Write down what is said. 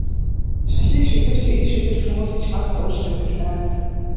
Шашныг шүтэгч, эс шүтэгч хүмүүс ч бас өөрчлөгдөж байна.